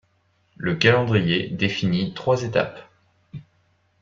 Le calendrier définit trois étapes.